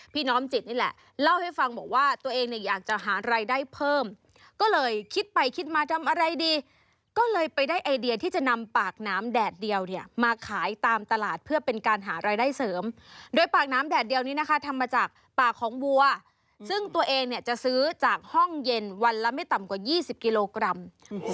น้อมจิตนี่แหละเล่าให้ฟังบอกว่าตัวเองเนี่ยอยากจะหารายได้เพิ่มก็เลยคิดไปคิดมาทำอะไรดีก็เลยไปได้ไอเดียที่จะนำปากน้ำแดดเดียวเนี่ยมาขายตามตลาดเพื่อเป็นการหารายได้เสริมโดยปากน้ำแดดเดียวนี้นะคะทำมาจากปากของวัวซึ่งตัวเองเนี่ยจะซื้อจากห้องเย็นวันละไม่ต่ำกว่า๒๐กิโลกรัม